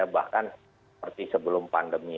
bahkan seperti sebelum pandemi